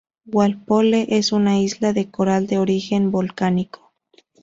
Walpole es una isla de coral de origen volcánico.